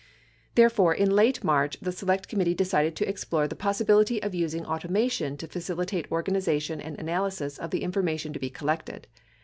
Therefore, in late March, the Select Committee decided to explore the possibility of using automation to facilitate organization and analysis of the information to be collected.